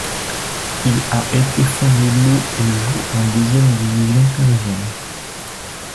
Il a été fondé le et joue en deuxième division péruvienne.